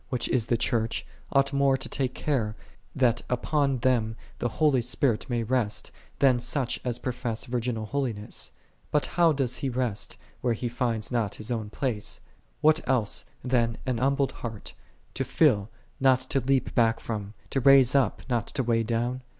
And what members of the holy body, which is the Church, ought more to take care, that upon them the holy Spirit may rest, than such as profess virginal holiness? But how doth He rest, where He findeth not His own place ? what else than an humbled heart, to fill, not to leap back from; to raise up, not to weigh down